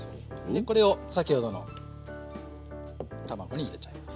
でこれを先ほどの卵に入れちゃいます。